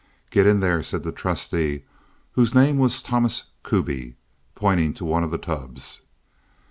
"Get in there," said the trusty, whose name was Thomas Kuby, pointing to one of the tubs.